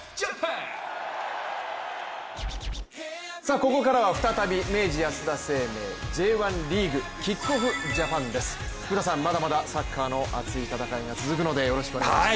ここからは再び明治安田生命Ｊ１リーグ「ＫＩＣＫＯＦＦ！Ｊ」です。福田さん、まだまだサッカーの熱い戦いが続くのでよろしくお願いします。